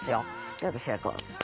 で私はこう。